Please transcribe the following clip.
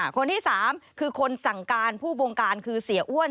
คนที่๓คือคนสั่งการผู้บงการคือเสียอ้วน